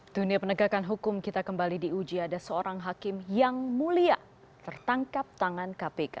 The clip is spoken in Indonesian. dunia penegakan hukum kita kembali diuji ada seorang hakim yang mulia tertangkap tangan kpk